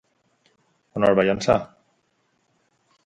On el va llançar?